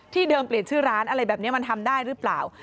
เดิมเปลี่ยนชื่อร้านอะไรแบบนี้มันทำได้หรือเปล่า